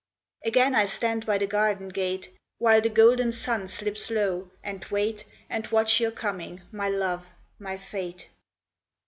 Again I stand by the garden gate, While the golden sun slips low, and wait And watch your coming, my love, my fate.